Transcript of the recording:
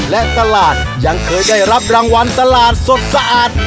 และตลาดยังเคยได้รับรางวัลตลาดสดสะอาด